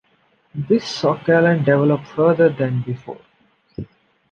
This saw Callan develop further than before.